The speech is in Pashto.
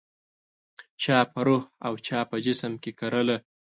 چا په روح او چا په جسم کې کرله